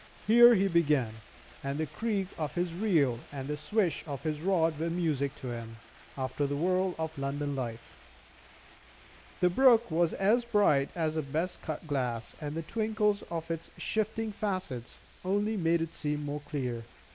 Here he began, and the creak of his reel and the swish of his rod were music to him, after the whirl of London life. The brook was as bright as the best cut glass, and the twinkles of its shifting facets only made it seem more clear.